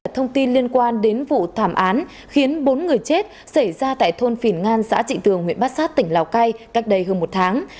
thông tin liên quan đến vụ thảm án khiến bốn người chết xảy ra tại thôn phìn ngan xã trịnh tường huyện bát sát tỉnh lào cai cách đây hơn một tháng